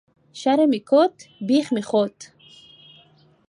شرم مې کوت ، بيخ مې خوت